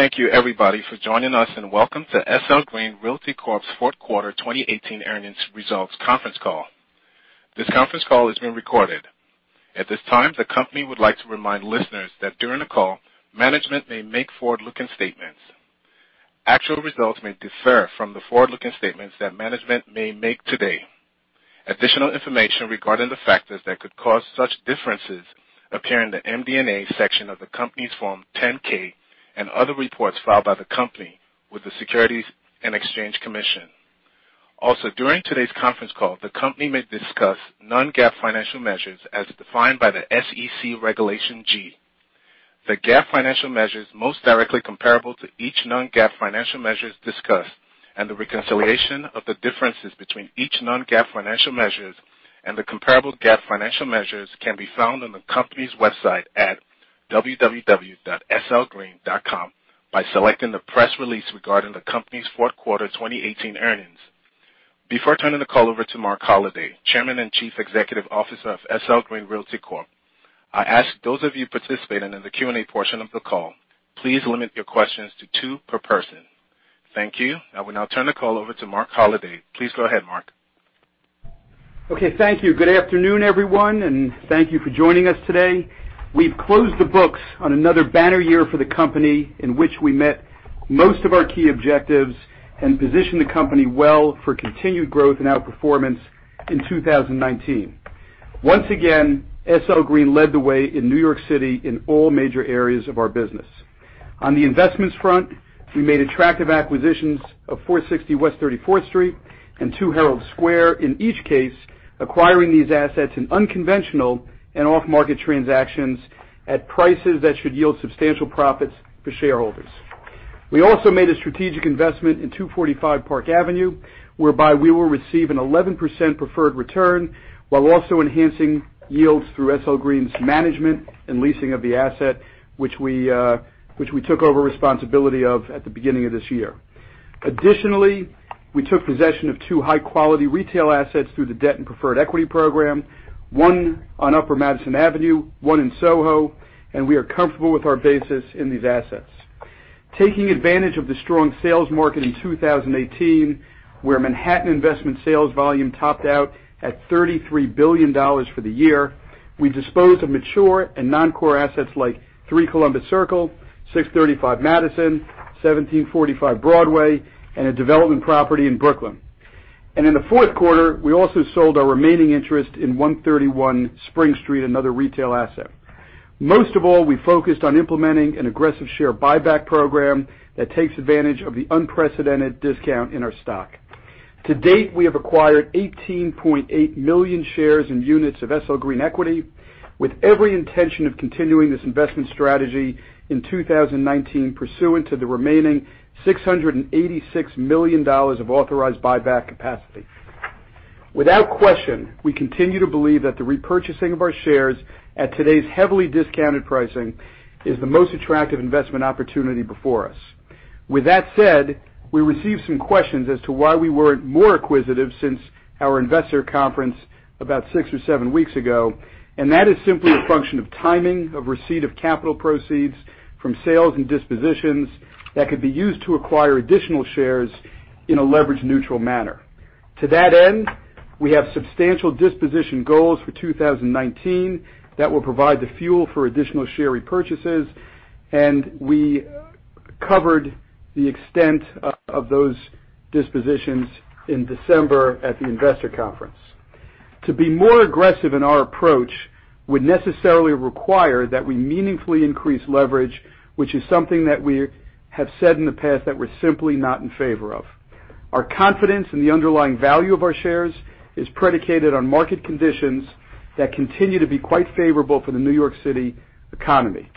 Thank you everybody for joining us, and welcome to SL Green Realty Corp.'s Fourth Quarter 2018 Earnings Results Conference Call. This conference call is being recorded. At this time, the company would like to remind listeners that during the call, management may make forward-looking statements. Actual results may differ from the forward-looking statements that management may make today. Additional information regarding the factors that could cause such differences appear in the MD&A section of the company's Form 10-K and other reports filed by the company with the Securities and Exchange Commission. Also, during today's conference call, the company may discuss non-GAAP financial measures as defined by the SEC Regulation G. The GAAP financial measures most directly comparable to each non-GAAP financial measure discussed and the reconciliation of the differences between each non-GAAP financial measure and the comparable GAAP financial measures can be found on the company's website at www.slgreen.com by selecting the press release regarding the company's fourth quarter 2018 earnings. Before turning the call over to Marc Holliday, Chairman and Chief Executive Officer of SL Green Realty Corp., I ask those of you participating in the Q&A portion of the call, please limit your questions to two per person. Thank you. I will now turn the call over to Marc Holliday. Please go ahead, Marc. Okay. Thank you. Good afternoon, everyone, and thank you for joining us today. We've closed the books on another banner year for the company in which we met most of our key objectives and positioned the company well for continued growth and outperformance in 2019. Once again, SL Green led the way in New York City in all major areas of our business. On the investments front, we made attractive acquisitions of 460 West 34th Street and 2 Herald Square, in each case acquiring these assets in unconventional and off-market transactions at prices that should yield substantial profits for shareholders. We also made a strategic investment in 245 Park Avenue, whereby we will receive an 11% preferred return while also enhancing yields through SL Green's management and leasing of the asset, which we took over responsibility of at the beginning of this year. Additionally, we took possession of two high-quality retail assets through the debt and preferred equity program, one on Upper Madison Avenue, one in SoHo, and we are comfortable with our basis in these assets. Taking advantage of the strong sales market in 2018, where Manhattan investment sales volume topped out at $33 billion for the year, we disposed of mature and non-core assets like 3 Columbus Circle, 635 Madison, 1745 Broadway, and a development property in Brooklyn. In the fourth quarter, we also sold our remaining interest in 131 Spring Street, another retail asset. Most of all, we focused on implementing an aggressive share buyback program that takes advantage of the unprecedented discount in our stock. To date, we have acquired 18.8 million shares in units of SL Green equity, with every intention of continuing this investment strategy in 2019 pursuant to the remaining $686 million of authorized buyback capacity. Without question, we continue to believe that the repurchasing of our shares at today's heavily discounted pricing is the most attractive investment opportunity before us. With that said, we received some questions as to why we weren't more acquisitive since our investor conference about six or seven weeks ago, and that is simply a function of timing, of receipt of capital proceeds from sales and dispositions that could be used to acquire additional shares in a leverage neutral manner. To that end, we have substantial disposition goals for 2019 that will provide the fuel for additional share repurchases, and we covered the extent of those dispositions in December at the investor conference. To be more aggressive in our approach would necessarily require that we meaningfully increase leverage, which is something that we have said in the past that we're simply not in favor of. Our confidence in the underlying value of our shares is predicated on market conditions that continue to be quite favorable for the New York City economy.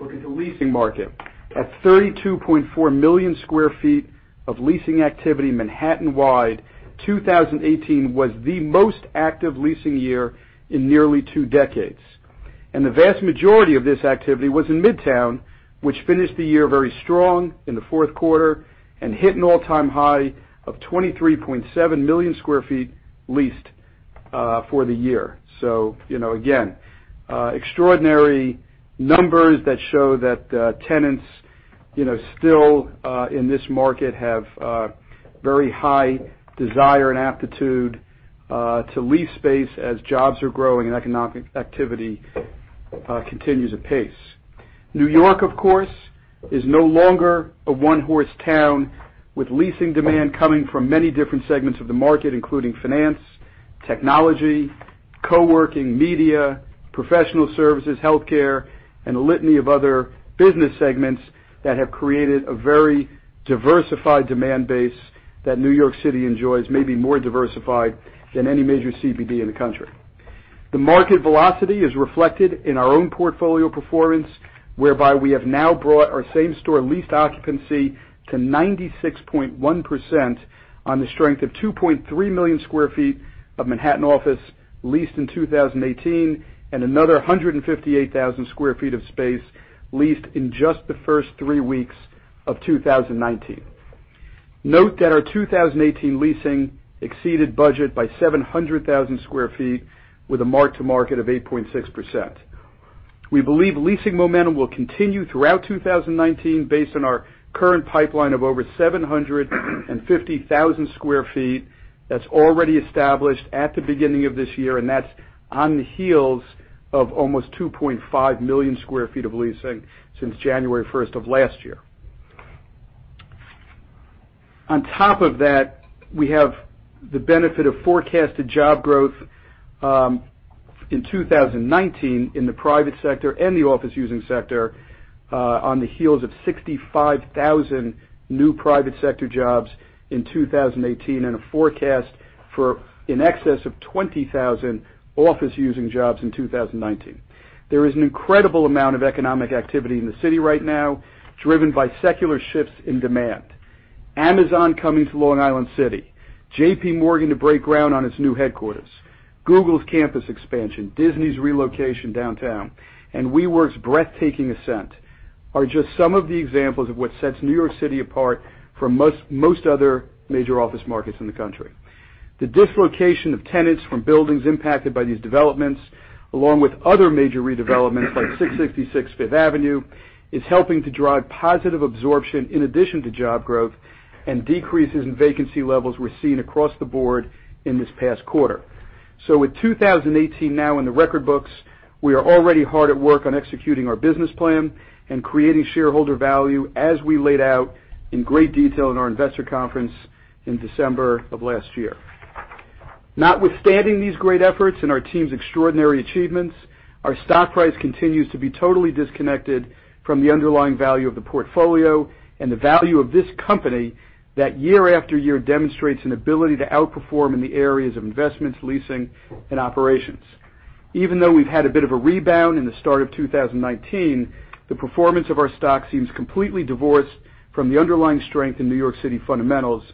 Looking at the leasing market. At 32.4 million square feet of leasing activity Manhattan-wide, 2018 was the most active leasing year in nearly two decades. The vast majority of this activity was in Midtown, which finished the year very strong in the fourth quarter and hit an all-time high of 23.7 million square feet leased for the year. So again, extraordinary numbers that show that tenants still in this market have very high desire and aptitude to lease space as jobs are growing and economic activity continues at pace. New York, of course, is no longer a one-horse town, with leasing demand coming from many different segments of the market, including finance, technology, co-working, media, professional services, healthcare, and a litany of other business segments that have created a very diversified demand base that New York City enjoys, maybe more diversified than any major CBD in the country. The market velocity is reflected in our own portfolio performance, whereby we have now brought our same-store leased occupancy to 96.1% on the strength of 2.3 million square feet of Manhattan office leased in 2018 and another 158,000 sq ft of space leased in just the first three weeks of 2019. Note that our 2018 leasing exceeded budget by 700,000 sq ft with a mark to market of 8.6%. We believe leasing momentum will continue throughout 2019, based on our current pipeline of over 750,000 sq ft that's already established at the beginning of this year, and that's on the heels of almost 2.5 million square feet of leasing since January 1st of last year. On top of that, we have the benefit of forecasted job growth, in 2019 in the private sector and the office using sector, on the heels of 65,000 new private sector jobs in 2018 and a forecast for in excess of 20,000 office using jobs in 2019. There is an incredible amount of economic activity in the city right now, driven by secular shifts in demand. Amazon coming to Long Island City, JPMorgan to break ground on its new headquarters, Google's campus expansion, Disney's relocation downtown, and WeWork's breathtaking ascent are just some of the examples of what sets New York City apart from most other major office markets in the country. The dislocation of tenants from buildings impacted by these developments, along with other major redevelopments like 666 Fifth Avenue, is helping to drive positive absorption in addition to job growth and decreases in vacancy levels we're seeing across the board in this past quarter. With 2018 now in the record books, we are already hard at work on executing our business plan and creating shareholder value, as we laid out in great detail in our investor conference in December of last year. Notwithstanding these great efforts and our team's extraordinary achievements, our stock price continues to be totally disconnected from the underlying value of the portfolio and the value of this company that year after year demonstrates an ability to outperform in the areas of investments, leasing, and operations. Even though we've had a bit of a rebound in the start of 2019, the performance of our stock seems completely divorced from the underlying strength in New York City fundamentals,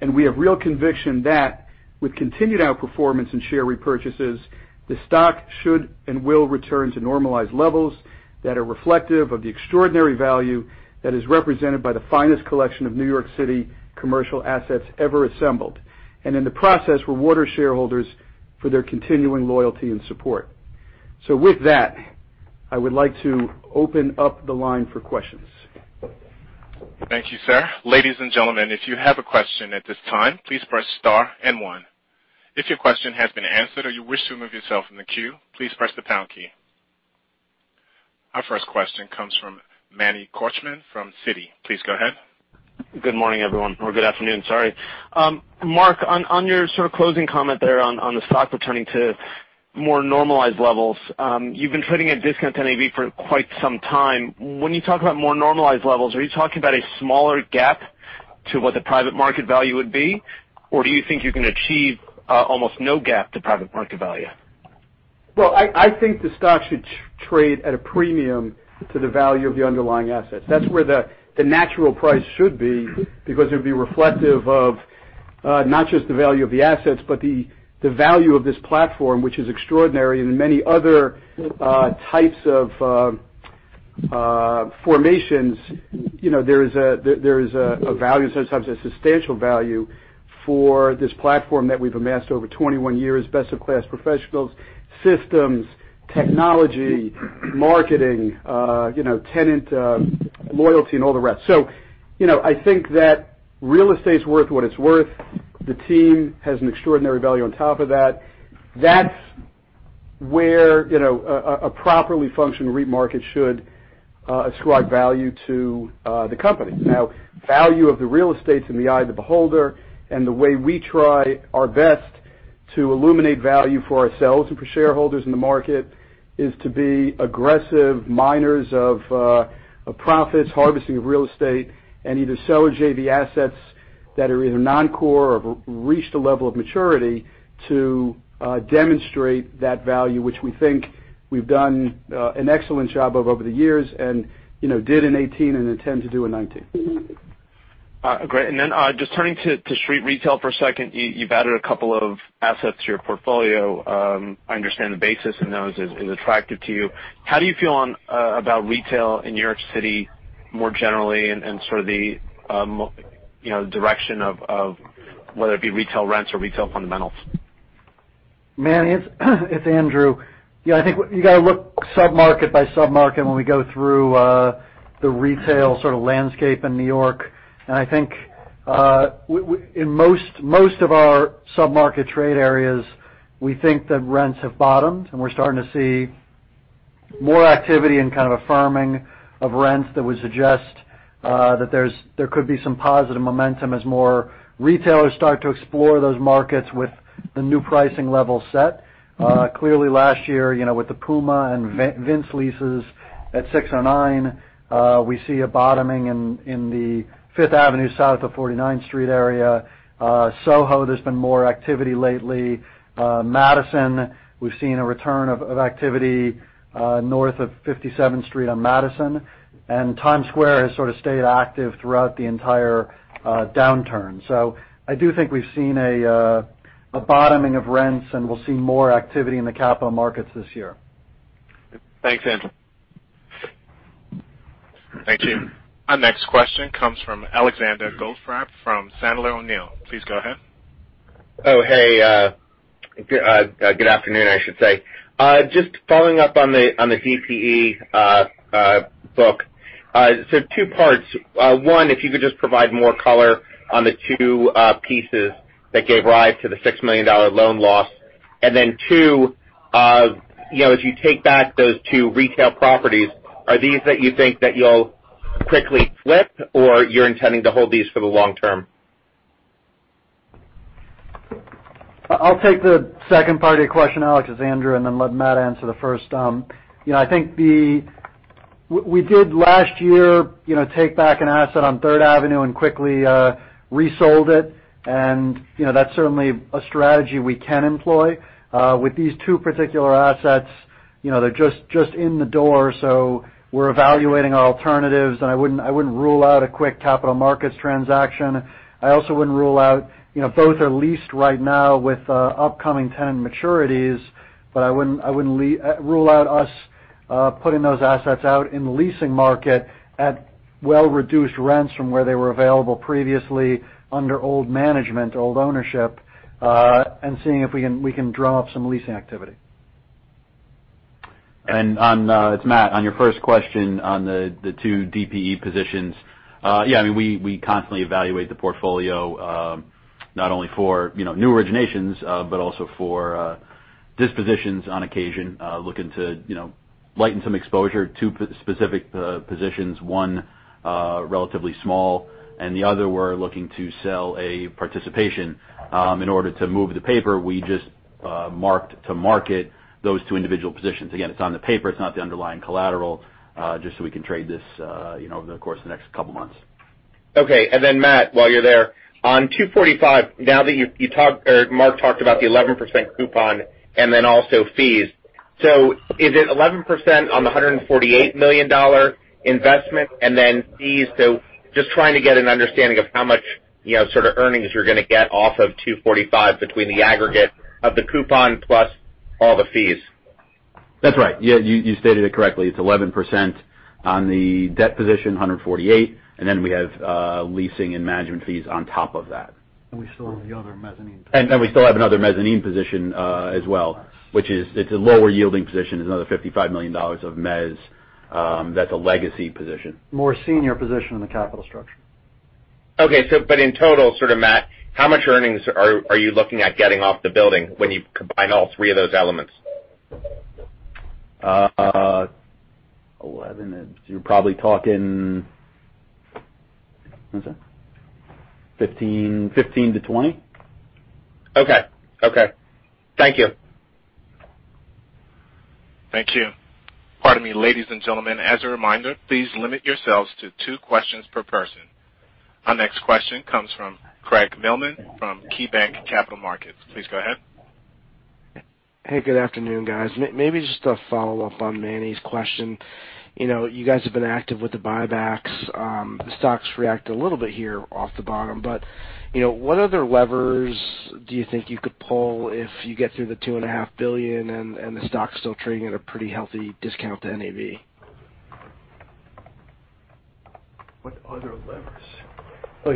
and we have real conviction that with continued outperformance and share repurchases, the stock should and will return to normalized levels that are reflective of the extraordinary value that is represented by the finest collection of New York City commercial assets ever assembled. In the process, reward our shareholders for their continuing loyalty and support. With that, I would like to open up the line for questions. Thank you, sir. Ladies and gentlemen, if you have a question at this time, please press star and one. If your question has been answered or you wish to remove yourself from the queue, please press the pound key. Our first question comes from Manny Korchman from Citi. Please go ahead. Good morning, everyone. Or good afternoon, sorry. Marc, on your sort of closing comment there on the stock returning to more normalized levels, you've been trading at discount to NAV for quite some time. When you talk about more normalized levels, are you talking about a smaller gap to what the private market value would be, or do you think you can achieve almost no gap to private market value? I think the stock should trade at a premium to the value of the underlying assets. That's where the natural price should be, because it would be reflective of not just the value of the assets, but the value of this platform, which is extraordinary. In many other types of formations, there is a value, sometimes a substantial value for this platform that we've amassed over 21 years. Best in class professionals, systems, technology, marketing, tenant loyalty, and all the rest. I think that real estate's worth what it's worth. The team has an extraordinary value on top of that. That's where a properly functioning REIT market should ascribe value to the company. Value of the real estate's in the eye of the beholder, the way we try our best to illuminate value for ourselves and for shareholders in the market is to be aggressive miners of profits, harvesting of real estate, and either sell or JV assets that are either non-core or have reached a level of maturity to demonstrate that value, which we think we've done an excellent job of over the years and did in 2018 and intend to do in 2019. Great. Just turning to street retail for a second, you've added a couple of assets to your portfolio. I understand the basis in those is attractive to you. How do you feel about retail in New York City more generally and sort of the direction of whether it be retail rents or retail fundamentals? Manny, it's Andrew. I think you got to look sub-market by sub-market when we go through the retail sort of landscape in New York. I think, in most of our sub-market trade areas, we think that rents have bottomed, and we're starting to see more activity and kind of a firming of rents that would suggest that there could be some positive momentum as more retailers start to explore those markets with the new pricing level set. Clearly, last year, with the Puma and Vince leases at 609, we see a bottoming in the Fifth Avenue South of 49th Street area. Soho, there's been more activity lately. Madison, we've seen a return of activity north of 57th Street on Madison. Times Square has sort of stayed active throughout the entire downturn. I do think we've seen a bottoming of rents, and we'll see more activity in the capital markets this year. Thanks, Andrew. Thank you. Our next question comes from Alexander Goldfarb from Sandler O'Neill. Please go ahead. Good afternoon, I should say. Just following up on the DPE book. Two parts. One, if you could just provide more color on the two pieces that gave rise to the $6 million loan loss. Two, as you take back those two retail properties, are these that you think that you'll quickly flip, or you're intending to hold these for the long term? I'll take the second part of your question, Alexander, then let Matt answer the first. We did last year, take back an asset on Third Avenue and quickly resold it, and that's certainly a strategy we can employ. With these two particular assets, they're just in the door, we're evaluating our alternatives, and I wouldn't rule out a quick capital markets transaction. Both are leased right now with upcoming tenant maturities, but I wouldn't rule out us putting those assets out in the leasing market at well-reduced rents from where they were available previously under old management, old ownership, and seeing if we can draw up some leasing activity. It's Matt. On your first question on the two DPE positions, we constantly evaluate the portfolio, not only for new originations, but also for dispositions on occasion, looking to lighten some exposure. Two specific positions, one relatively small, and the other, we're looking to sell a participation. In order to move the paper, we just marked to market those two individual positions. Again, it's on the paper, it's not the underlying collateral, just we can trade this over the course of the next couple of months. Okay. Matt, while you're there, on 245, now that Marc talked about the 11% coupon and also fees. Is it 11% on the $148 million investment and then fees? Just trying to get an understanding of how much sort of earnings you're going to get off of 245 between the aggregate of the coupon plus all the fees. That's right. You stated it correctly. It's 11% on the debt position, $148 million, we have leasing and management fees on top of that. We still have the other mezzanine. We still have another mezzanine position as well, which is a lower yielding position. It's another $55 million of mezz, that's a legacy position. More senior position in the capital structure. Okay. In total, sort of Matt, how much earnings are you looking at getting off the building when you combine all three of those elements? 11. You're probably talking 15-20. Okay. Thank you. Thank you. Pardon me. Ladies and gentlemen, as a reminder, please limit yourselves to two questions per person. Our next question comes from Craig Mailman from KeyBanc Capital Markets. Please go ahead. Hey, good afternoon, guys. Maybe just a follow-up on Manny's question. You guys have been active with the buybacks. The stock's reacted a little bit here off the bottom. What other levers do you think you could pull if you get through the $2.5 billion and the stock's still trading at a pretty healthy discount to NAV? What other levers? Oh,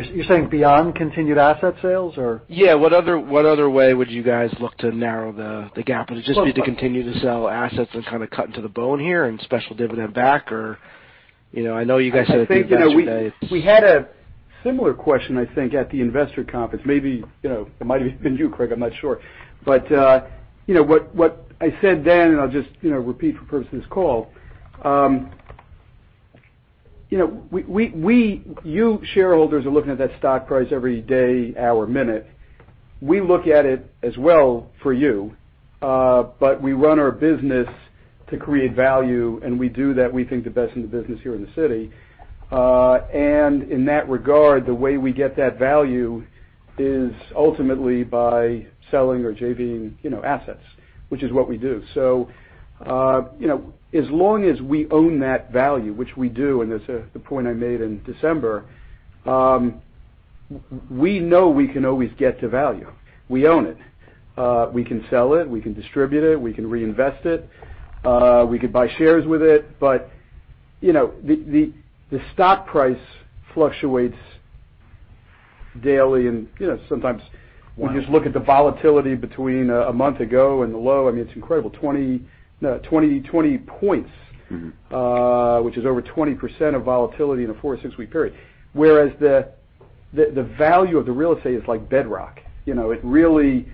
you're saying beyond continued asset sales or? Yeah. What other way would you guys look to narrow the gap? Is it just be to continue to sell assets and kind of cut into the bone here and special dividend back or? I know you guys said things about today. I think we had a similar question at the investor conference. Maybe, it might have even been you, Craig, I'm not sure. What I said then, and I'll just repeat for purpose of this call. You shareholders are looking at that stock price every day, hour, minute. We look at it as well for you. We run our business to create value, and we do that we think the best in the business here in the city. In that regard, the way we get that value is ultimately by selling or JV-ing assets, which is what we do. As long as we own that value, which we do, and this is the point I made in December, we know we can always get to value. We own it. We can sell it. We can distribute it. We can reinvest it. We could buy shares with it. The stock price fluctuates daily and sometimes, wow, you just look at the volatility between a month ago and the low, I mean, it's incredible. 20 points which is over 20% of volatility in a four to six-week period. Whereas the value of the real estate is like bedrock. It really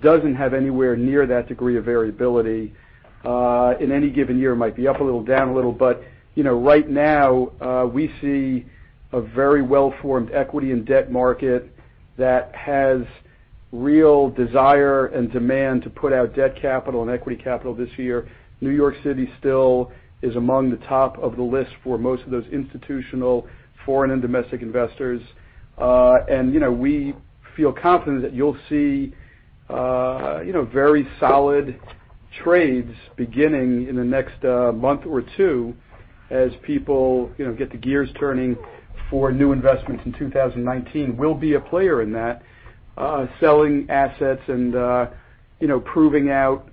doesn't have anywhere near that degree of variability. In any given year, it might be up a little, down a little, but right now, we see a very well-formed equity in debt market that has real desire and demand to put out debt capital and equity capital this year. New York City still is among the top of the list for most of those institutional, foreign, and domestic investors. We feel confident that you'll see very solid trades beginning in the next month or two as people get the gears turning for new investments in 2019. We'll be a player in that, selling assets and proving out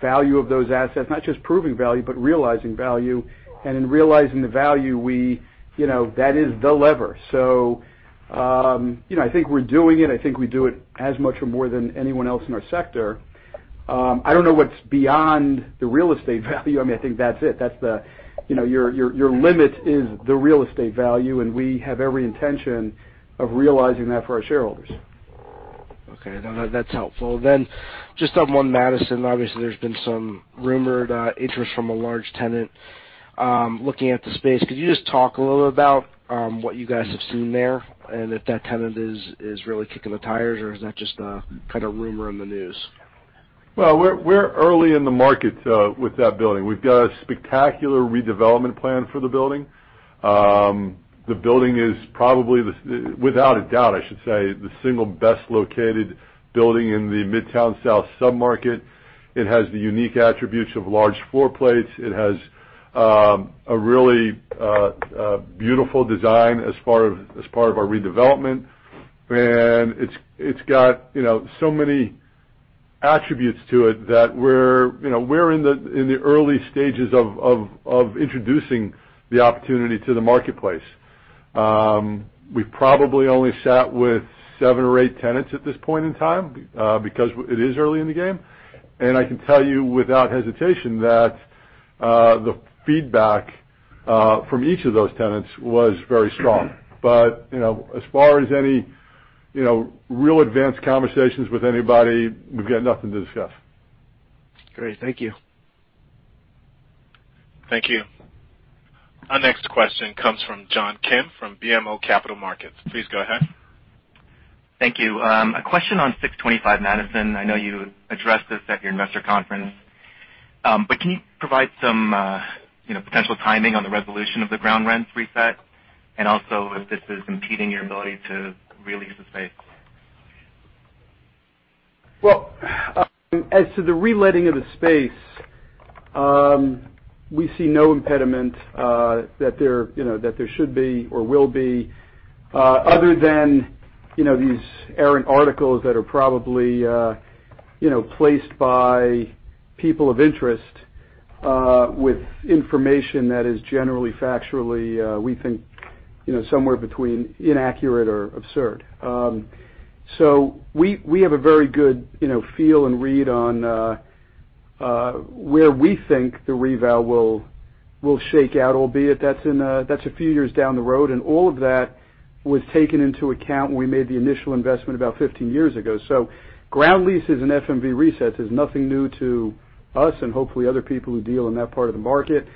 value of those assets, not just proving value, but realizing value. In realizing the value, that is the lever. I think we're doing it. I think we do it as much or more than anyone else in our sector. I don't know what's beyond the real estate value. I think that's it. Your limit is the real estate value, and we have every intention of realizing that for our shareholders. Okay. No, that's helpful. Just on One Madison, obviously, there's been some rumored interest from a large tenant looking at the space. Could you just talk a little about what you guys have seen there and if that tenant is really kicking the tires, or is that just a kind of rumor in the news? We're early in the market with that building. We've got a spectacular redevelopment plan for the building. The building is probably, without a doubt, I should say, the single best located building in the Midtown South sub-market. It has the unique attributes of large floor plates. It has a really beautiful design as part of our redevelopment. It's got so many attributes to it that we're in the early stages of introducing the opportunity to the marketplace. We've probably only sat with seven or eight tenants at this point in time, because it is early in the game. I can tell you without hesitation that the feedback from each of those tenants was very strong. As far as any real advanced conversations with anybody, we've got nothing to discuss. Great, thank you. Thank you. Our next question comes from John Kim from BMO Capital Markets. Please go ahead. Thank you. A question on 625 Madison. I know you addressed this at your investor conference. Can you provide some potential timing on the resolution of the ground rents reset? Also, if this is impeding your ability to re-lease the space? As to the re-letting of the space, we see no impediment that there should be or will be, other than these errant articles that are probably placed by people of interest with information that is generally factually, we think, somewhere between inaccurate or absurd. We have a very good feel and read on where we think the reval will shake out, albeit that's a few years down the road. All of that was taken into account when we made the initial investment about 15 years ago. Ground leases and FMV resets is nothing new to us and hopefully other people who deal in that part of the market.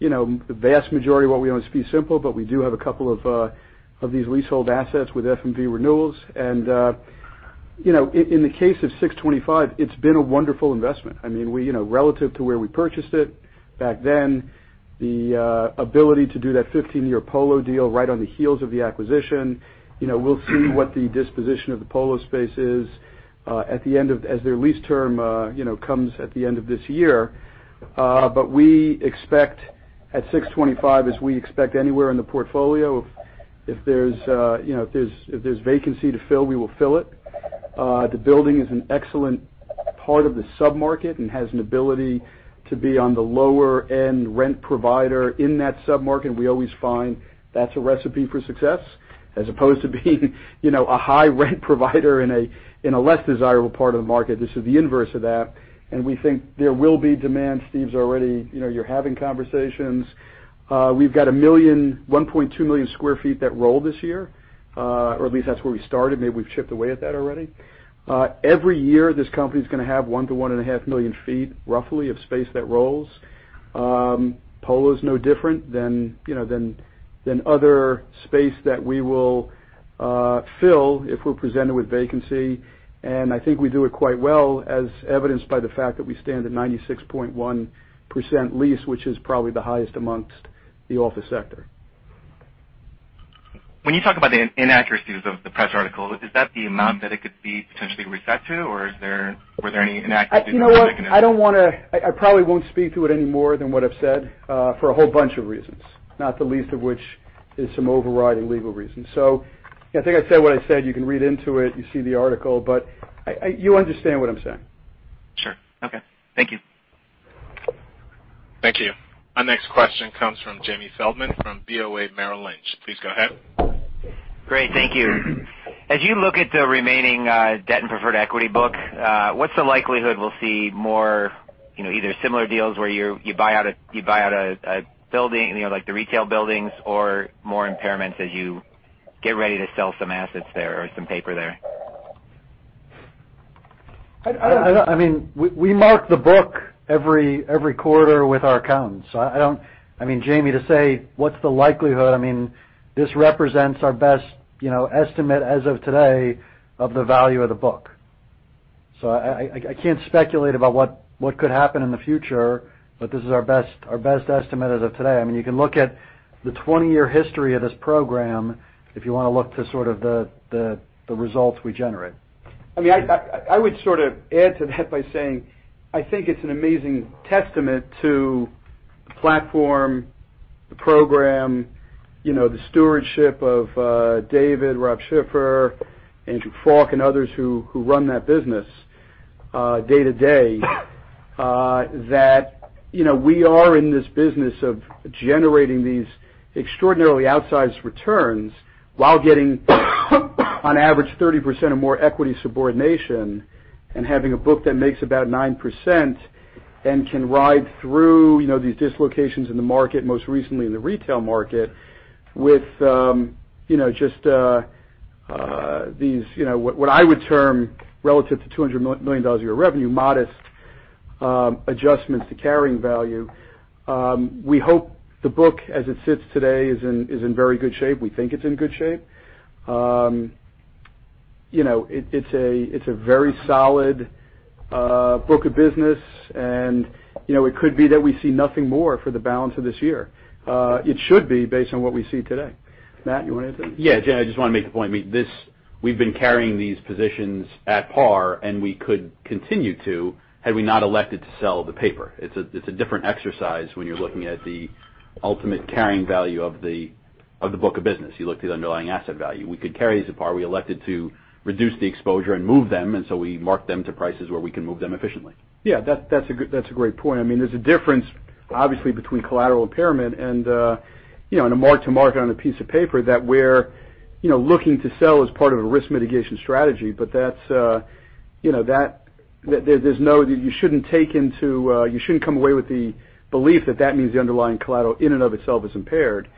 The vast majority of what we own is fee simple, but we do have a couple of these leasehold assets with FMV renewals. In the case of 625, it's been a wonderful investment. Relative to where we purchased it back then, the ability to do that 15-year Polo deal right on the heels of the acquisition. We'll see what the disposition of the Polo space is as their lease term comes at the end of this year. We expect at 625, as we expect anywhere in the portfolio, if there's vacancy to fill, we will fill it. The building is an excellent part of the sub-market and has an ability to be on the lower-end rent provider in that sub-market, and we always find that's a recipe for success as opposed to being a high rent provider in a less desirable part of the market. This is the inverse of that. We think there will be demand. Steven, you're having conversations. We've got 1.2 million square feet that rolled this year, or at least that's where we started. Maybe we've chipped away at that already. Every year, this company's going to have one to one and a half million feet, roughly, of space that rolls. Polo is no different than other space that we will fill if we're presented with vacancy. I think we do it quite well, as evidenced by the fact that we stand at 96.1% lease, which is probably the highest amongst the office sector. When you talk about the inaccuracies of the press article, is that the amount that it could be potentially reset to, or were there any inaccuracies? You know what? I probably won't speak to it any more than what I've said, for a whole bunch of reasons, not the least of which is some overriding legal reasons. I think I've said what I said. You can read into it, you see the article, but you understand what I'm saying. Sure. Okay. Thank you. Thank you. Our next question comes from Jamie Feldman from BofA Merrill Lynch. Please go ahead. Great. Thank you. As you look at the remaining debt and preferred equity book, what's the likelihood we'll see more, either similar deals where you buy out a building, like the retail buildings, or more impairments as you get ready to sell some assets there or some paper there? I mean, we mark the book every quarter with our accountants. Jamie, to say, what's the likelihood, this represents our best estimate as of today of the value of the book. I can't speculate about what could happen in the future, but this is our best estimate as of today. You can look at the 20-year history of this program if you want to look to sort of the results we generate. I would sort of add to that by saying, I think it's an amazing testament to the platform, the program, the stewardship of David, Rob Schiffer, Andrew Falk, and others who run that business day-to-day, that we are in this business of generating these extraordinarily outsized returns while getting on average 30% or more equity subordination and having a book that makes about 9% and can ride through these dislocations in the market, most recently in the retail market, with just what I would term relative to $200 million of your revenue, modest adjustments to carrying value. We hope the book, as it sits today, is in very good shape. We think it's in good shape. It's a very solid book of business. It could be that we see nothing more for the balance of this year. It should be based on what we see today. Matt, you want to add to that? Yeah, Jamie, I just want to make a point. We've been carrying these positions at par. We could continue to had we not elected to sell the paper. It's a different exercise when you're looking at the ultimate carrying value of the book of business. You look to the underlying asset value. We could carry it as a par. We elected to reduce the exposure and move them. We marked them to prices where we can move them efficiently. Yeah, that's a great point. There's a difference, obviously, between collateral impairment and a mark to market on a piece of paper that we're looking to sell as part of a risk mitigation strategy. You shouldn't come away with the belief that that means the underlying collateral in and of itself is impaired.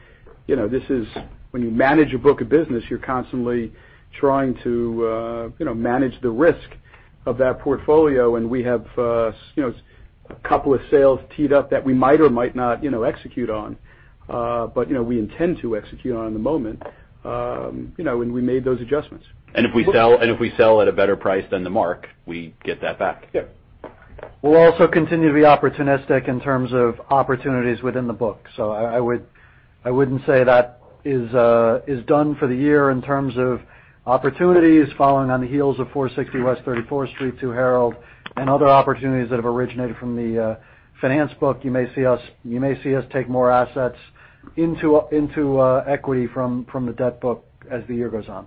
When you manage a book of business, you're constantly trying to manage the risk of that portfolio. We have a couple of sales teed up that we might or might not execute on. We intend to execute on at the moment. We made those adjustments. If we sell at a better price than the mark, we get that back. Yeah. We'll also continue to be opportunistic in terms of opportunities within the book. I wouldn't say that is done for the year in terms of opportunities following on the heels of 460 West 34th Street, 2 Herald, and other opportunities that have originated from the finance book. You may see us take more assets into equity from the debt book as the year goes on.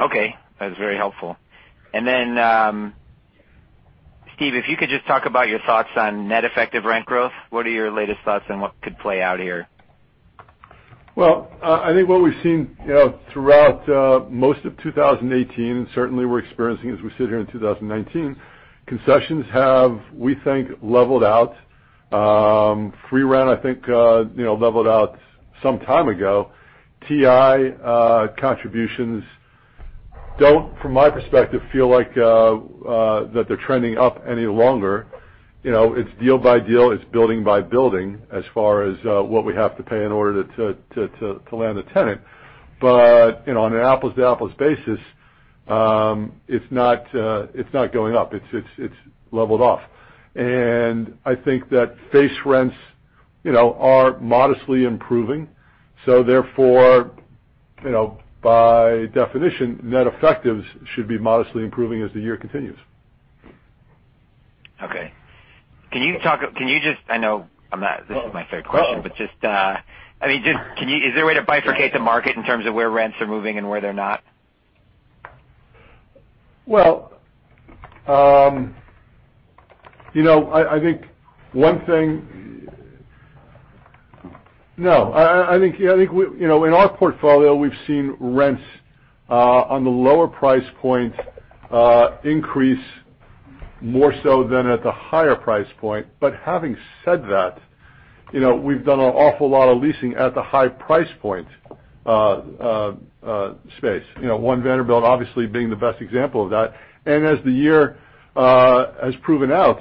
Okay. That was very helpful. Then, Steven, if you could just talk about your thoughts on net effective rent growth. What are your latest thoughts on what could play out here? Well, I think what we've seen throughout most of 2018, and certainly we're experiencing as we sit here in 2019, concessions have, we think, leveled out. Free rent, I think, leveled out some time ago. TI contributions don't, from my perspective, feel like that they're trending up any longer. It's deal by deal, it's building by building as far as what we have to pay in order to land a tenant. On an apples-to-apples basis, it's not going up. It's leveled off. I think that face rents are modestly improving. Therefore, by definition, net effectives should be modestly improving as the year continues. Okay. This isn't my favorite question. Is there a way to bifurcate the market in terms of where rents are moving and where they're not? No. I think in our portfolio, we've seen rents on the lower price point increase more so than at the higher price point. Having said that, we've done an awful lot of leasing at the high price point space. One Vanderbilt obviously being the best example of that. As the year has proven out,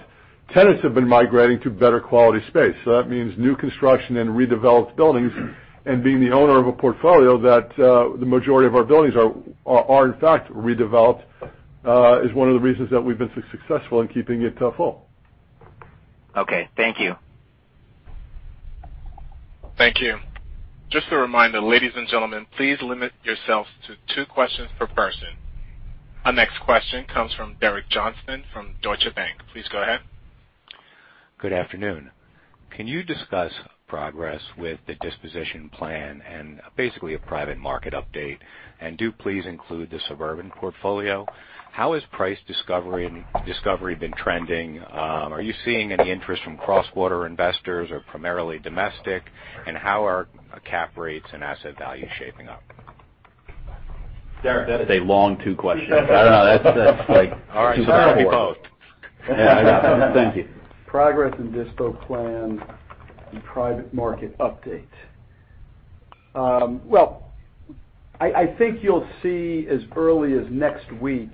tenants have been migrating to better quality space. That means new construction and redeveloped buildings, and being the owner of a portfolio that the majority of our buildings are in fact redeveloped, is one of the reasons that we've been successful in keeping it full. Okay. Thank you. Thank you. Just a reminder, ladies and gentlemen, please limit yourselves to two questions per person. Our next question comes from Derek Johnston from Deutsche Bank. Please go ahead. Good afternoon. Can you discuss progress with the disposition plan and basically a private market update, and do please include the suburban portfolio? How has price discovery been trending? Are you seeing any interest from cross-border investors or primarily domestic? How are cap rates and asset value shaping up? Derek, that is, that's a long two questions. I don't know. That's like two separate ones. All right. Fire away both. Yeah, I got both. Thank you. Progress and dispo plan and private market update. I think you'll see as early as next week,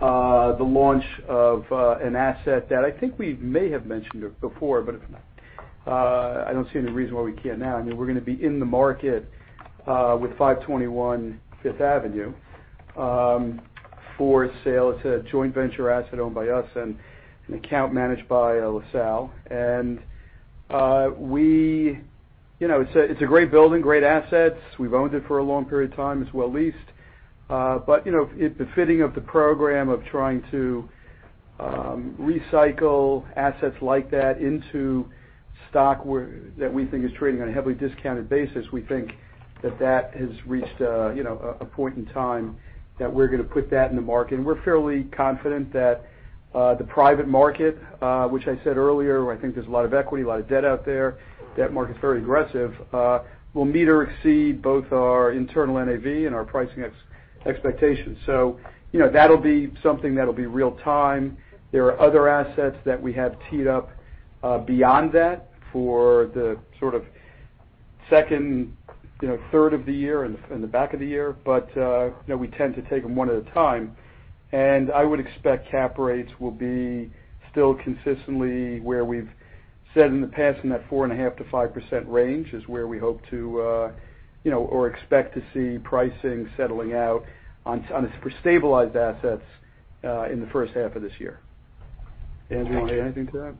the launch of an asset that I think we may have mentioned before, if not, I don't see any reason why we can't now. We're going to be in the market with 521 Fifth Avenue for sale. It's a joint venture asset owned by us and an account managed by LaSalle. It's a great building, great assets. We've owned it for a long period of time. It's well leased. The fitting of the program of trying to recycle assets like that into stock that we think is trading on a heavily discounted basis, we think that that has reached a point in time that we're going to put that in the market. We're fairly confident that the private market, which I said earlier, where I think there's a lot of equity, a lot of debt out there, debt market's very aggressive, will meet or exceed both our internal NAV and our pricing expectations. That'll be something that'll be real time. There are other assets that we have teed up beyond that for the sort of second third of the year and the back of the year. We tend to take them one at a time, and I would expect cap rates will be still consistently where we've said in the past, in that 4.5%-5% range is where we hope to or expect to see pricing settling out on stabilized assets in the first half of this year. Andrew, you want to add anything to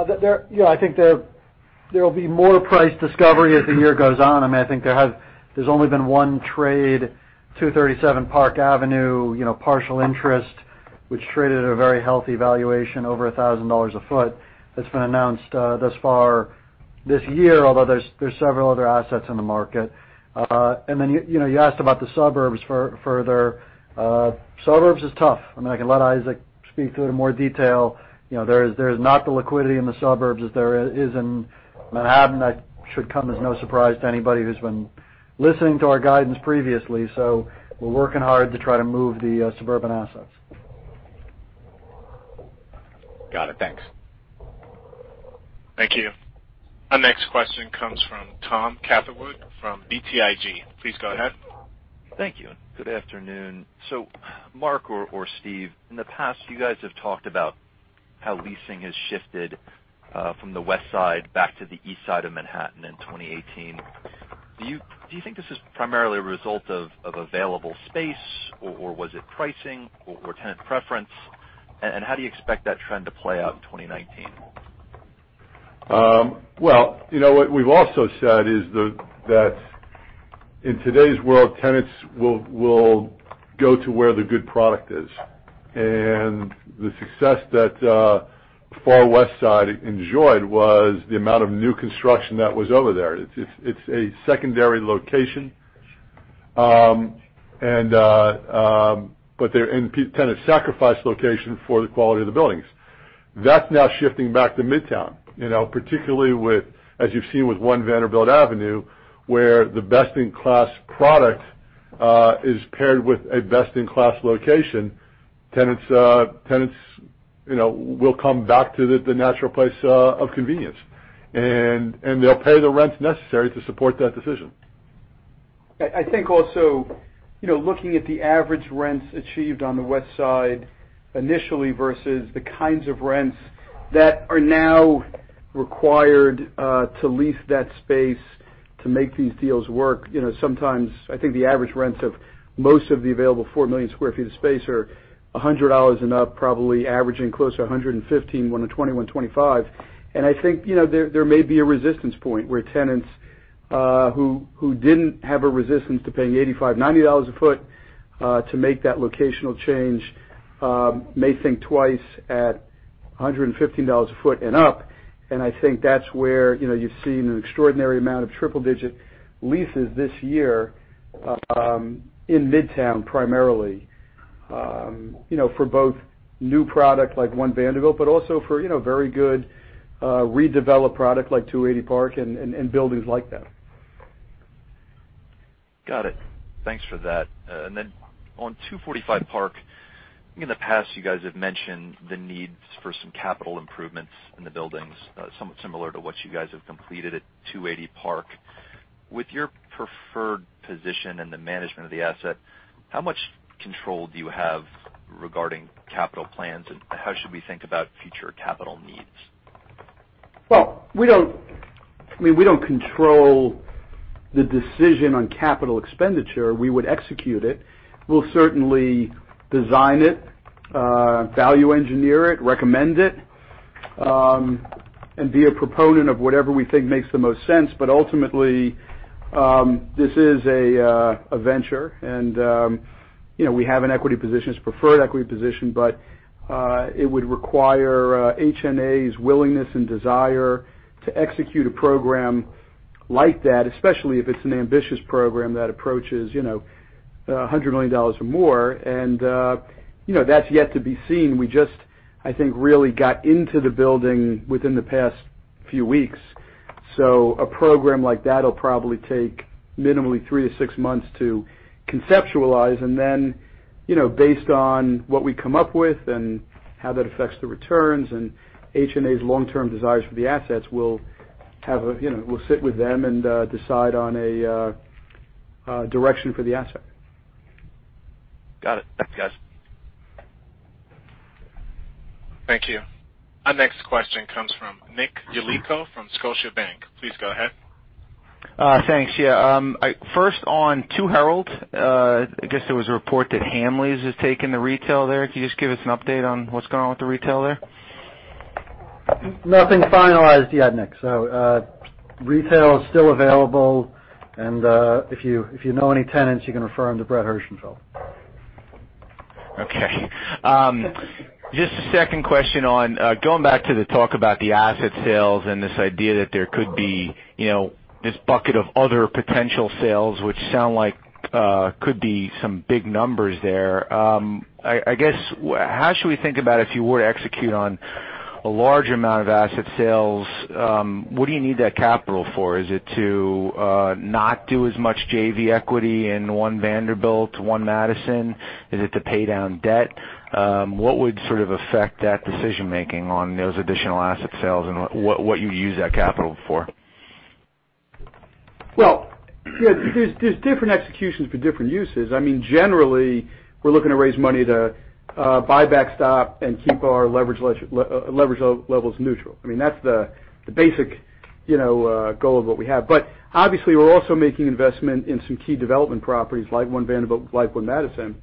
that? I think there'll be more price discovery as the year goes on. I think there's only been one trade, 237 Park Avenue, partial interest, which traded at a very healthy valuation, over $1,000 a foot. That's been announced thus far this year, although there's several other assets in the market. Then you asked about the suburbs further. Suburbs is tough. I can let Isaac speak to it in more detail. There is not the liquidity in the suburbs as there is in Manhattan. That should come as no surprise to anybody who's been listening to our guidance previously. We're working hard to try to move the suburban assets. Got it. Thanks. Thank you. Our next question comes from Tom Catherwood from BTIG. Please go ahead. Thank you. Good afternoon. Mark or Steven, in the past, you guys have talked about how leasing has shifted from the West Side back to the East Side of Manhattan in 2018. Do you think this is primarily a result of available space, or was it pricing or tenant preference? How do you expect that trend to play out in 2019? Well, what we've also said is that in today's world, tenants will go to where the good product is. The success that the Far West Side enjoyed was the amount of new construction that was over there. It's a secondary location, but they're in tenant sacrifice location for the quality of the buildings. That's now shifting back to Midtown, particularly as you've seen with 1 Vanderbilt Avenue, where the best-in-class product is paired with a best-in-class location. Tenants will come back to the natural place of convenience, they'll pay the rents necessary to support that decision. I think also, looking at the average rents achieved on the West Side initially versus the kinds of rents that are now required to lease that space to make these deals work, sometimes I think the average rents of most of the available 4 million square feet of space are a hundred dollars and up, probably averaging closer to $115, $120, $125. I think there may be a resistance point where tenants who didn't have a resistance to paying $85, $90 a foot to make that locational change may think twice at $115 a foot and up. I think that's where you've seen an extraordinary amount of triple-digit leases this year, in Midtown primarily, for both new product like 1 Vanderbilt, but also for very good redeveloped product like 280 Park and buildings like that. Got it. Thanks for that. Then on 245 Park, I think in the past you guys have mentioned the needs for some capital improvements in the buildings, somewhat similar to what you guys have completed at 280 Park. With your preferred position and the management of the asset, how much control do you have regarding capital plans, how should we think about future capital needs? Well, we don't control the decision on capital expenditure. We would execute it. We'll certainly design it, value engineer it, recommend it, and be a proponent of whatever we think makes the most sense. Ultimately, this is a venture, and we have an equity position. It's preferred equity position, but it would require HNA’s willingness and desire to execute a program like that, especially if it's an ambitious program that approaches $100 million or more. That's yet to be seen. We just, I think, really got into the building within the past few weeks. A program like that'll probably take minimally three to six months to conceptualize, and then based on what we come up with and how that affects the returns and HNA’s long-term desires for the assets, we'll sit with them and decide on a direction for the asset. Got it. Thanks, guys. Thank you. Our next question comes from Nick Yulico from Scotiabank. Please go ahead. Thanks. Yeah. First on 2 Herald, I guess there was a report that Hamleys is taking the retail there. Can you just give us an update on what's going on with the retail there? Nothing finalized yet, Nick. Retail is still available, and if you know any tenants, you can refer them to Brett Herschenfeld. Okay. Just a second question on going back to the talk about the asset sales and this idea that there could be this bucket of other potential sales, which sound like could be some big numbers there. I guess, how should we think about if you were to execute on a large amount of asset sales, what do you need that capital for? Is it to not do as much JV equity in One Vanderbilt, One Madison? Is it to pay down debt? What would sort of affect that decision-making on those additional asset sales and what you use that capital for? Well, there's different executions for different uses. Generally, we're looking to raise money to buy back stock and keep our leverage levels neutral. That's the basic goal of what we have. Obviously, we're also making investment in some key development properties like One Vanderbilt, like One Madison.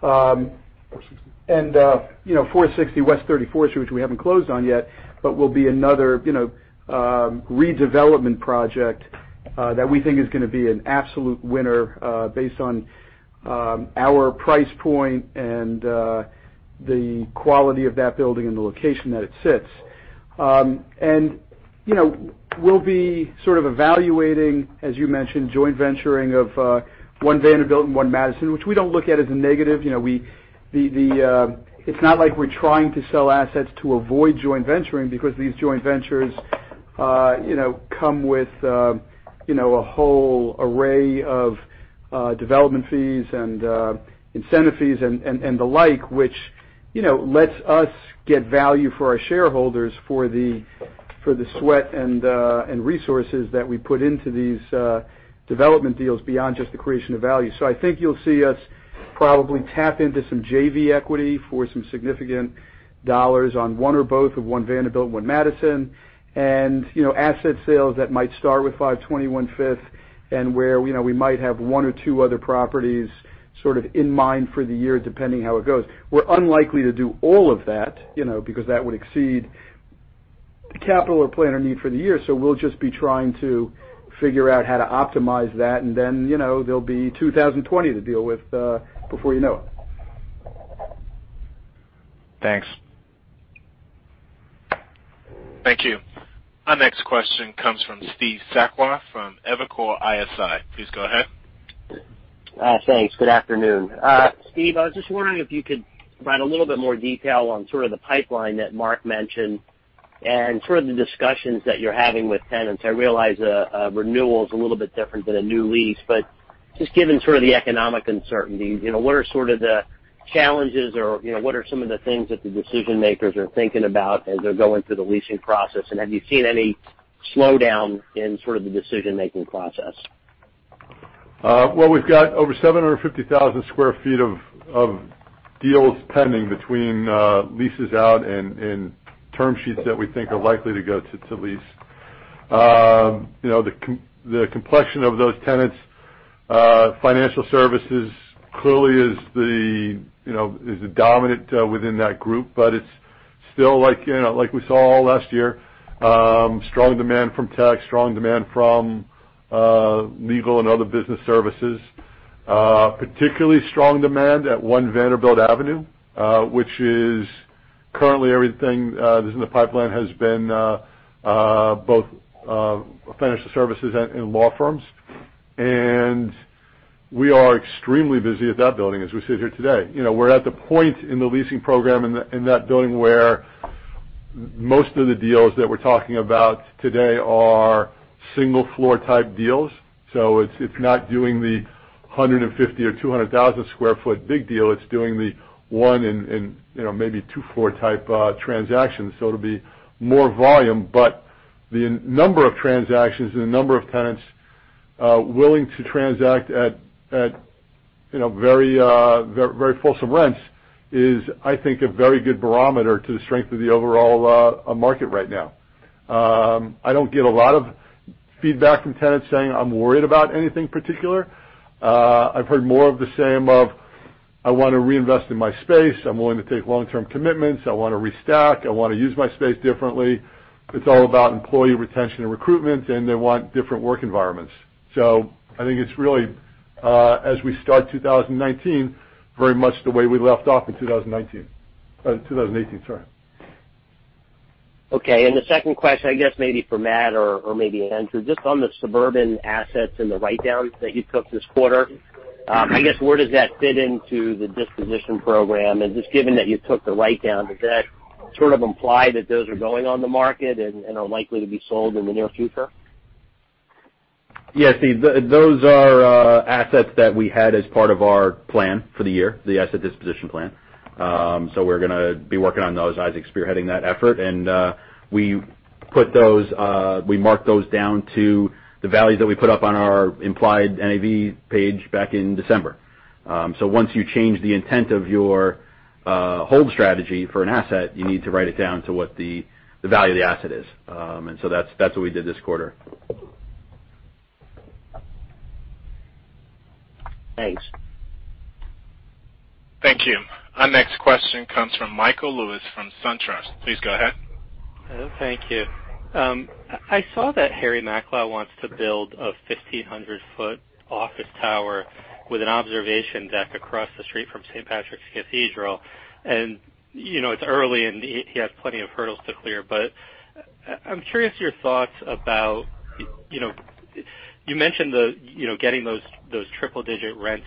460 West 34th Street, which we haven't closed on yet, but will be another redevelopment project that we think is going to be an absolute winner based on our price point and the quality of that building and the location that it sits. We'll be sort of evaluating, as you mentioned, joint venturing of One Vanderbilt and One Madison, which we don't look at as a negative. It's not like we're trying to sell assets to avoid joint venturing because these joint ventures come with a whole array of development fees and incentive fees and the like, which lets us get value for our shareholders for the sweat and resources that we put into these development deals beyond just the creation of value. I think you'll see us probably tap into some JV equity for some significant dollars on one or both of One Vanderbilt, One Madison, and asset sales that might start with 521 Fifth Avenue, and where we might have one or two other properties sort of in mind for the year, depending how it goes. We're unlikely to do all of that, because that would exceed the capital or plan or need for the year. We'll just be trying to figure out how to optimize that, and then there'll be 2020 to deal with, before you know it. Thanks. Thank you. Our next question comes from Steve Sakwa from Evercore ISI. Please go ahead. Thanks. Good afternoon. Steve, I was just wondering if you could provide a little bit more detail on sort of the pipeline that Marc mentioned and sort of the discussions that you're having with tenants. I realize a renewal is a little bit different than a new lease, but just given sort of the economic uncertainty, what are sort of the challenges or what are some of the things that the decision-makers are thinking about as they're going through the leasing process, and have you seen any slowdown in sort of the decision-making process? Well, we've got over 750,000 sq ft of deals pending between leases out and term sheets that we think are likely to go to lease. The complexion of those tenants, financial services clearly is the dominant within that group, but it's still like we saw all last year, strong demand from tech, strong demand from legal and other business services. Particularly strong demand at 1 Vanderbilt Avenue, which is currently everything that's in the pipeline has been both financial services and law firms. We are extremely busy at that building as we sit here today. We're at the point in the leasing program in that building where most of the deals that we're talking about today are single floor type deals. It's not doing the 150,000 or 200,000 sq ft big deal, it's doing the one and maybe two floor type transactions. It'll be more volume, but the number of transactions and the number of tenants willing to transact at very fulsome rents is, I think, a very good barometer to the strength of the overall market right now. I don't get a lot of feedback from tenants saying, I'm worried about anything particular. I've heard more of the same of, I want to reinvest in my space. I'm willing to take long-term commitments. I want to restack. I want to use my space differently. It's all about employee retention and recruitment, and they want different work environments. I think it's really, as we start 2019, very much the way we left off in 2018, sorry. Okay, the second question, I guess maybe for Matt or maybe Andrew, just on the suburban assets and the write-downs that you took this quarter. I guess where does that fit into the disposition program? Just given that you took the write-down, does that sort of imply that those are going on the market and are likely to be sold in the near future? Yeah, Steve, those are assets that we had as part of our plan for the year, the asset disposition plan. We're gonna be working on those. Isaac's spearheading that effort. We marked those down to the values that we put up on our implied NAV page back in December. Once you change the intent of your hold strategy for an asset, you need to write it down to what the value of the asset is. That's what we did this quarter. Thanks. Thank you. Our next question comes from Michael Lewis from SunTrust. Please go ahead. Thank you. I saw that Harry Macklowe wants to build a 1,500-foot office tower with an observation deck across the street from St. Patrick's Cathedral. It's early, and he has plenty of hurdles to clear, but I'm curious your thoughts about. You mentioned getting those triple-digit rents,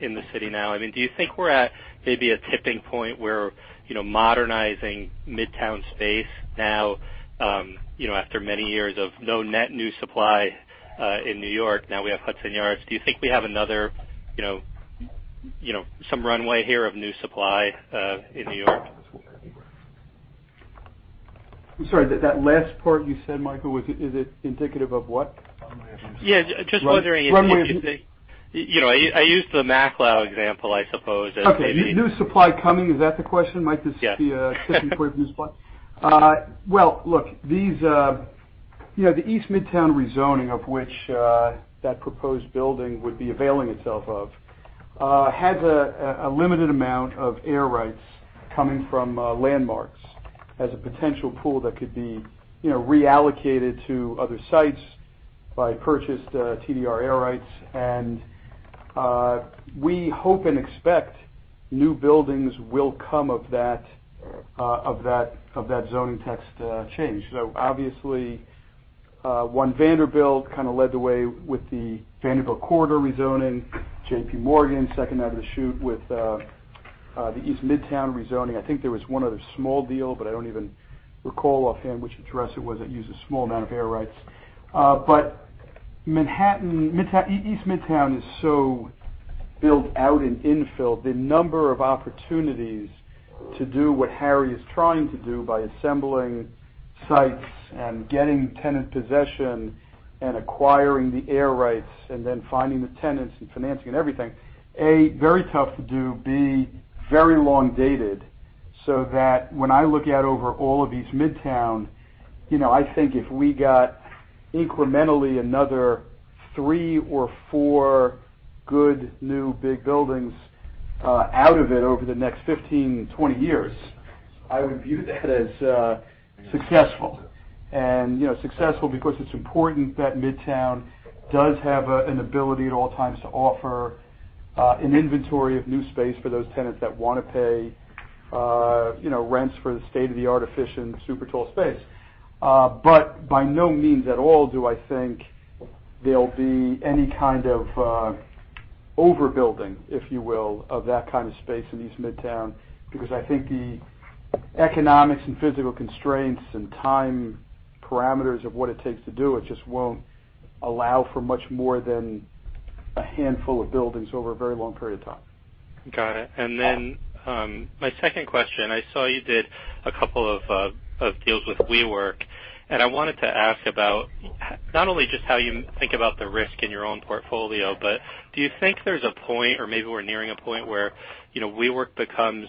in the city now. Do you think we're at maybe a tipping point where modernizing Midtown space now, after many years of no net new supply, in New York, now we have Hudson Yards. Do you think we have another some runway here of new supply, in New York? I'm sorry, that last part you said, Michael, is it indicative of what? I'm sorry. Yeah, just wondering if. Runway. I used the Macklowe example, I suppose, as maybe. Okay. New supply coming, is that the question, Michael? Yes. Tipping point of new supply? Well, look, the East Midtown rezoning of which that proposed building would be availing itself of, has a limited amount of air rights coming from landmarks as a potential pool that could be reallocated to other sites by purchased TDR air rights. We hope and expect new buildings will come of that zoning text change. Obviously, One Vanderbilt kind of led the way with the Vanderbilt Corridor rezoning, JPMorgan second out of the chute with the East Midtown rezoning. I think there was one other small deal, but I don't even recall offhand which address it was that used a small amount of air rights. East Midtown is so built out in infill, the number of opportunities to do what Harry is trying to do by assembling sites and getting tenant possession and acquiring the air rights and then finding the tenants and financing and everything, a, very tough to do, b, very long-dated, so that when I look out over all of East Midtown, I think if we got incrementally another three or four good new big buildings out of it over the next 15-20 years, I would view that as successful. Successful because it's important that Midtown does have an ability at all times to offer an inventory of new space for those tenants that want to pay rents for the state-of-the-art, efficient, super tall space. By no means at all do I think there'll be any kind of overbuilding, if you will, of that kind of space in East Midtown, because I think the economics and physical constraints and time parameters of what it takes to do it just won't allow for much more than a handful of buildings over a very long period of time. Got it. Then, my second question, I saw you did a couple of deals with WeWork, and I wanted to ask about not only just how you think about the risk in your own portfolio, but do you think there's a point, or maybe we're nearing a point, where WeWork becomes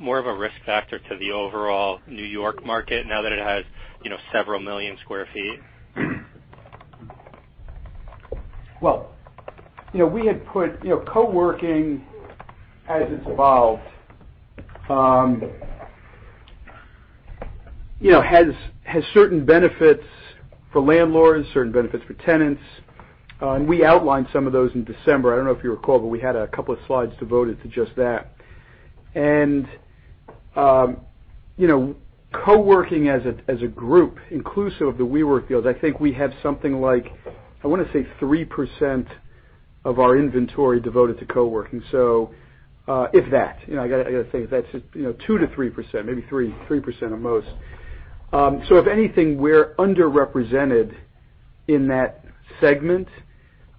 more of a risk factor to the overall New York market now that it has several million square feet? Well, co-working, as it's evolved, has certain benefits for landlords, certain benefits for tenants. We outlined some of those in December. I don't know if you recall, but we had a couple of slides devoted to just that. Co-working as a group, inclusive of the WeWork deals, I think we have something like, I want to say 3% of our inventory devoted to co-working, if that. I got to think. That's 2%-3%, maybe 3% at most. If anything, we're underrepresented in that segment.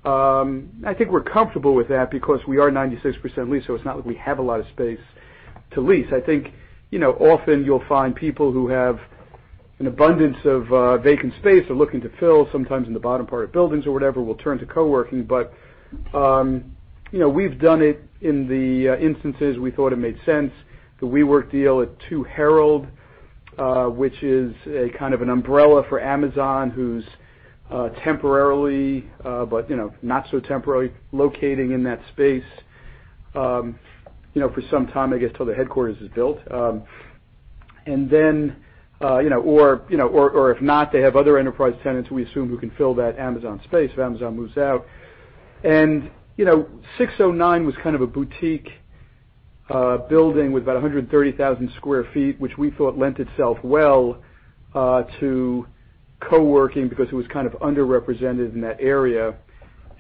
I think we're comfortable with that because we are 96% leased, so it's not like we have a lot of space to lease. I think, often you'll find people who have an abundance of vacant space they're looking to fill, sometimes in the bottom part of buildings or whatever, will turn to co-working. We've done it in the instances we thought it made sense. The WeWork deal at 2 Herald, which is a kind of an umbrella for Amazon, who's temporarily, but not so temporarily, locating in that space, for some time, I guess, till the headquarters is built. If not, they have other enterprise tenants who we assume who can fill that Amazon space if Amazon moves out. 609 was kind of a boutique building with about 130,000 sq ft, which we thought lent itself well to co-working because it was kind of underrepresented in that area.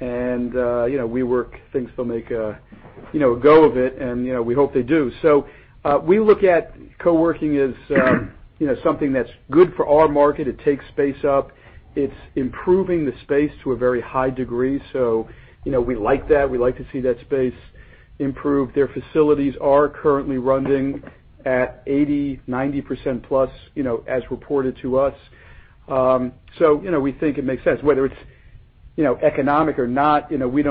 WeWork thinks they'll make a go of it, and we hope they do. We look at co-working as something that's good for our market. It takes space up. It's improving the space to a very high degree. We like that. We like to see that space improve. Their facilities are currently running at 80%-90%+, as reported to us. We think it makes sense, whether it's economic or not. We're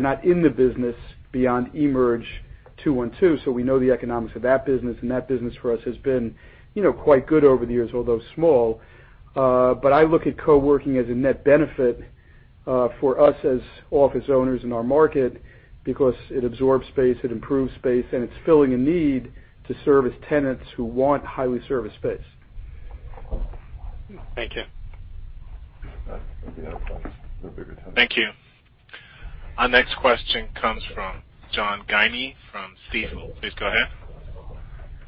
not in the business beyond Emerge212. We know the economics of that business, that business for us has been quite good over the years, although small. I look at co-working as a net benefit for us as office owners in our market because it absorbs space, it improves space, and it's filling a need to service tenants who want highly serviced space. Thank you. Thank you. Our next question comes from John Guinee from Stifel. Please go ahead.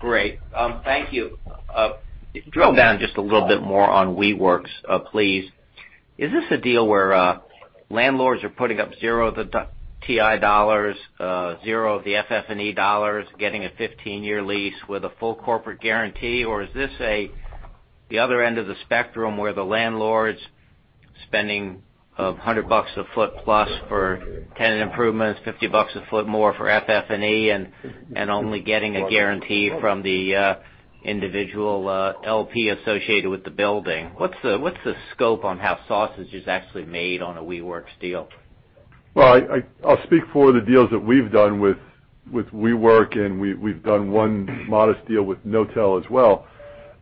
Great. Thank you. Drill down just a little bit more on WeWork's, please. Is this a deal where landlords are putting up zero of the TI dollars, zero of the FF&E dollars, getting a 15-year lease with a full corporate guarantee, or is this the other end of the spectrum where the landlord's spending $100 a foot plus for tenant improvements, $50 a foot more for FF&E and only getting a guarantee from the individual LP associated with the building? What's the scope on how sausage is actually made on a WeWork's deal? I'll speak for the deals that we've done with WeWork, and we've done one modest deal with Knotel as well.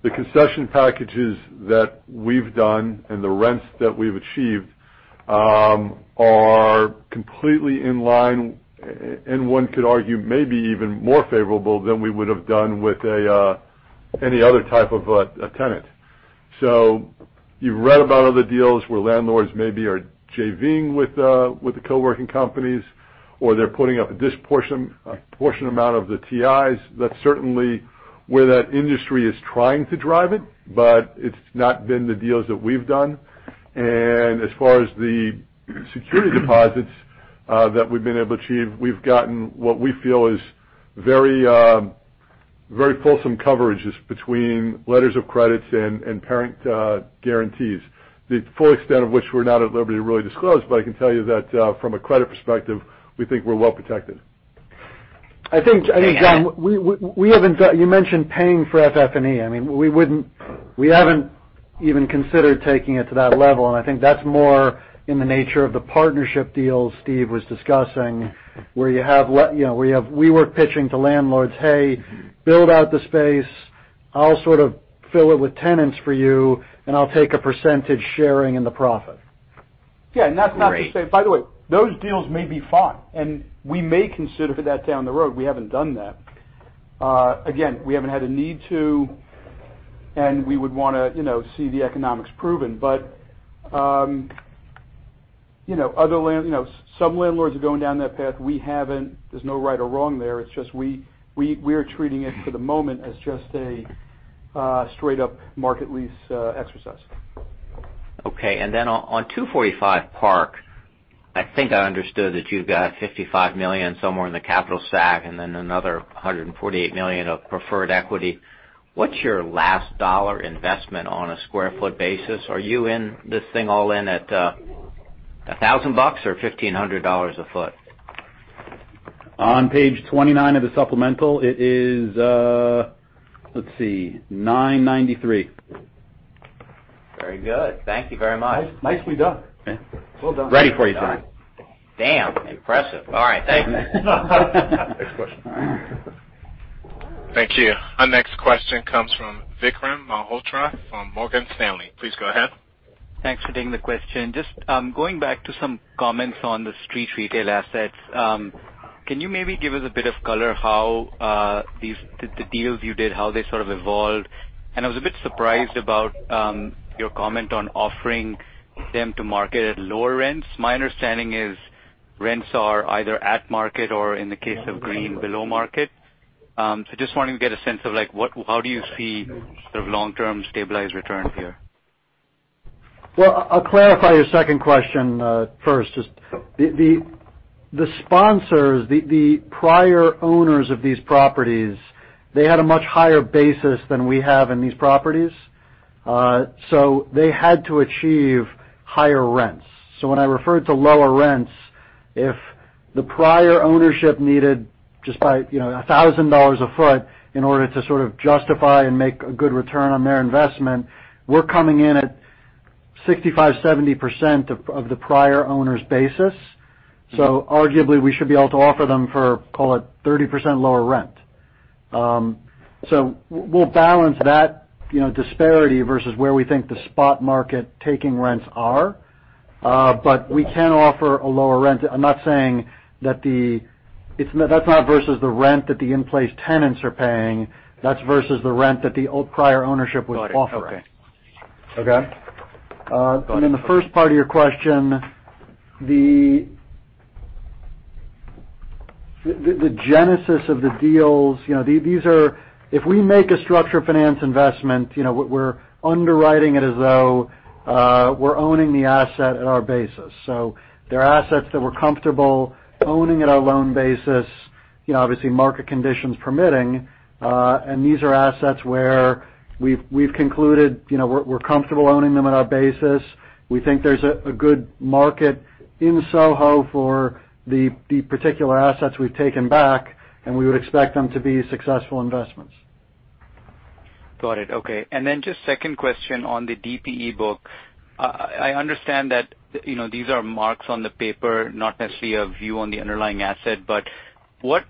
The concession packages that we've done and the rents that we've achieved, are completely in line, and one could argue, maybe even more favorable than we would have done with any other type of a tenant. You've read about other deals where landlords maybe are JV-ing with the co-working companies, or they're putting up a disproportionate amount of the TIs. That's certainly where that industry is trying to drive it, but it's not been the deals that we've done. As far as the security deposits that we've been able to achieve, we've gotten what we feel is very fulsome coverages between letters of credit and parent guarantees. The full extent of which we're not at liberty to really disclose, but I can tell you that from a credit perspective, we think we're well protected. I think, John, you mentioned paying for FF&E. We haven't even considered taking it to that level, and I think that's more in the nature of the partnership deals Steven was discussing, where you have WeWork pitching to landlords, hey, build out the space. I'll sort of fill it with tenants for you, and I'll take a percentage sharing in the profit. Yeah. That's not to say, by the way, those deals may be fine, and we may consider that down the road. We haven't done that. Again, we haven't had a need to, and we would want to see the economics proven. Some landlords are going down that path. We haven't. There's no right or wrong there. It's just we are treating it for the moment as just a straight-up market lease exercise. Okay. On 245 Park, I think I understood that you've got $55 million somewhere in the capital stack and then another $148 million of preferred equity. What's your last dollar investment on a square foot basis? Are you in this thing all in at $1,000 or $1,500 a foot? On page 29 of the supplemental, it is, let's see, $993. Very good. Thank you very much. Nicely done. Yeah. Well done. Ready for you, John. Damn, impressive. All right, thank you. Next question. Thank you. Our next question comes from Vikram Malhotra from Morgan Stanley. Please go ahead. Thanks for taking the question. Just going back to some comments on the street retail assets, can you maybe give us a bit of color how the deals you did, how they sort of evolved? I was a bit surprised about your comment on offering them to market at lower rents. My understanding is rents are either at market or in the case of Green, below market. Just wanting to get a sense of how do you see sort of long-term stabilized returns here? Well, I'll clarify your second question first. The sponsors, the prior owners of these properties, they had a much higher basis than we have in these properties. They had to achieve higher rents. When I referred to lower rents, if the prior ownership needed just by $1,000 a foot in order to sort of justify and make a good return on their investment, we're coming in at 65%, 70% of the prior owner's basis. Arguably, we should be able to offer them for, call it, 30% lower rent. We'll balance that disparity versus where we think the spot market taking rents are. We can offer a lower rent. I'm not saying that. That's not versus the rent that the in-place tenants are paying. That's versus the rent that the old prior ownership was offering. Got it. Okay. The first part of your question, the genesis of the deals, if we make a structured finance investment, we're underwriting it as though we're owning the asset at our basis. They're assets that we're comfortable owning at our loan basis, obviously market conditions permitting, and these are assets where we've concluded we're comfortable owning them at our basis. We think there's a good market in SoHo for the particular assets we've taken back, and we would expect them to be successful investments. Got it. Okay. Just second question on the DPE book. I understand that these are marks on the paper, not necessarily a view on the underlying asset, but what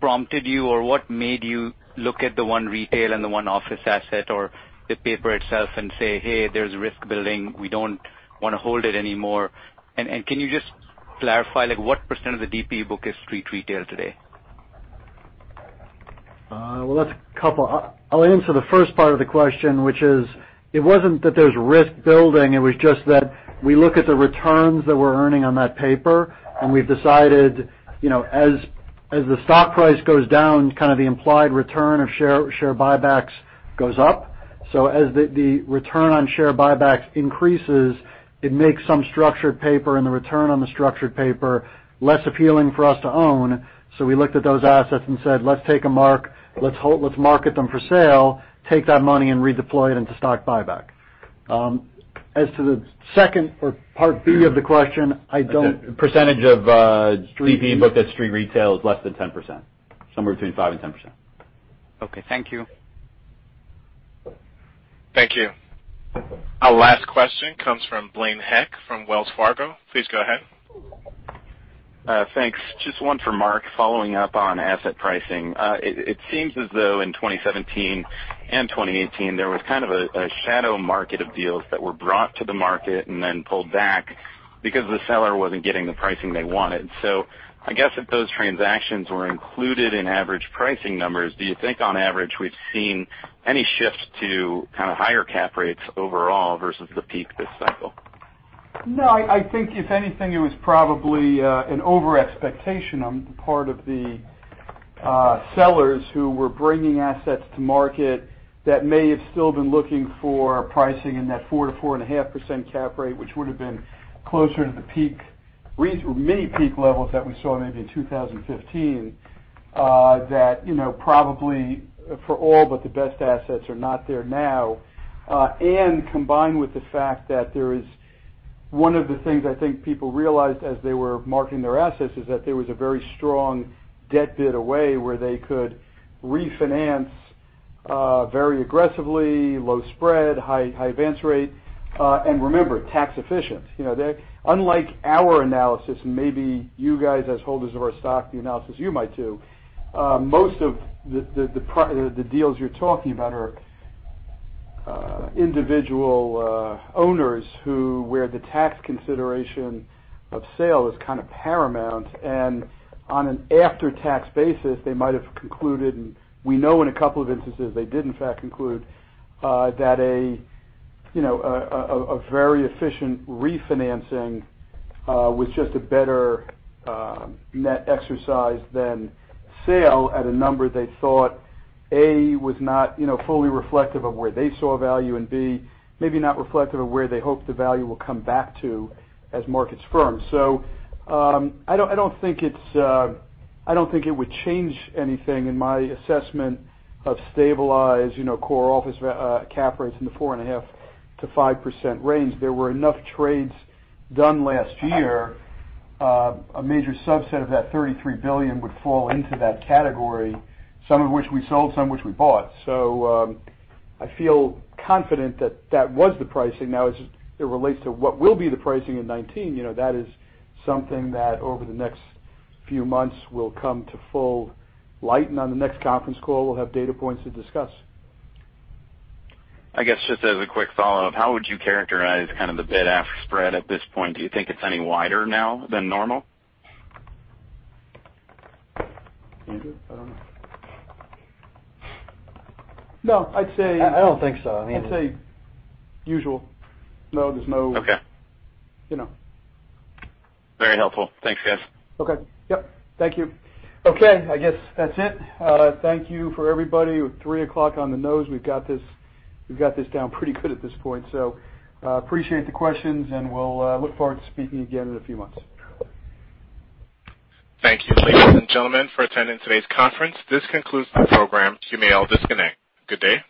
prompted you, or what made you look at the one retail and the one office asset or the paper itself and say, hey, there's risk building. We don't want to hold it anymore. Can you just clarify what percent of the DPE book is street retail today? Well, that's a couple. I'll answer the first part of the question, which is, it wasn't that there's risk building, it was just that we look at the returns that we're earning on that paper, we've decided as the stock price goes down, kind of the implied return of share buybacks goes up. As the return on share buybacks increases, it makes some structured paper and the return on the structured paper less appealing for us to own. We looked at those assets and said, let's take a mark. Let's market them for sale, take that money, and redeploy it into stock buyback. As to the second or part b of the question, I don't. Percentage of DPE book that's street retail is less than 10%. Somewhere between 5% and 10%. Okay, thank you. Thank you. Our last question comes from Blaine Heck from Wells Fargo. Please go ahead. Thanks. Just one for Marc, following up on asset pricing. It seems as though in 2017 and 2018, there was kind of a shadow market of deals that were brought to the market and then pulled back because the seller wasn't getting the pricing they wanted. I guess if those transactions were included in average pricing numbers, do you think on average we've seen any shift to kind of higher cap rates overall versus the peak this cycle? No, I think if anything, it was probably an overexpectation on the part of the sellers who were bringing assets to market that may have still been looking for pricing in that 4%-4.5% cap rate, which would've been closer to the many peak levels that we saw maybe in 2015. That probably for all but the best assets are not there now. Combined with the fact that one of the things I think people realized as they were marking their assets is that there was a very strong debt bid away where they could refinance very aggressively, low spread, high advance rate. Remember, tax efficient. Unlike our analysis, and maybe you guys as holders of our stock, the analysis you might do, most of the deals you're talking about are individual owners where the tax consideration of sale is kind of paramount, and on an after-tax basis, they might have concluded, and we know in a couple of instances they did in fact conclude, that a very efficient refinancing was just a better net exercise than sale at a number they thought, a, was not fully reflective of where they saw value, and b, maybe not reflective of where they hope the value will come back to as markets firm. I don't think it would change anything in my assessment of stabilized core office cap rates in the 4.5%-5% range. There were enough trades done last year. A major subset of that $33 billion would fall into that category, some of which we sold, some of which we bought. I feel confident that that was the pricing. Now, as it relates to what will be the pricing in 2019, that is something that over the next few months will come to full light. On the next conference call, we'll have data points to discuss. I guess just as a quick follow-up, how would you characterize kind of the bid-ask spread at this point? Do you think it's any wider now than normal? Andrew? I don't know. No, I'd say. I don't think so. I mean. I'd say usual. Okay. You know. Very helpful. Thanks, guys. Okay. Yep. Thank you. I guess that's it. Thank you for everybody. We're at 3:00 on the nose. We've got this down pretty good at this point. Appreciate the questions, and we'll look forward to speaking again in a few months. Thank you, ladies and gentlemen, for attending today's conference. This concludes the program. You may all disconnect. Good day.